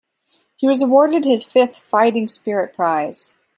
He was awarded his fifth Fighting Spirit prize.